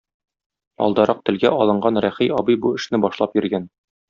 Алдарак телгә алынган Рәхи абый бу эшне башлап йөргән.